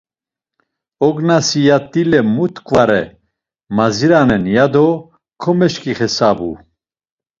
Ognasi yat̆ile mu t̆ǩvare, madziranen, yado komeşǩixesabu.